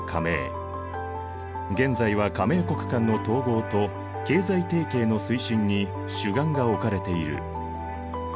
現在は加盟国間の統合と経済提携の推進に主眼が置かれている。